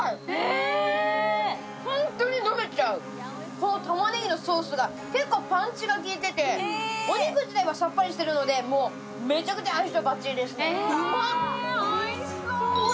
このたまねぎのソースが結構パンチが効いてて、お肉自体はさっぱりしているのでめちゃくちゃ相性バッチリですね。